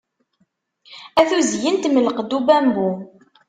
A tuzyint mm lqedd ubabmbu!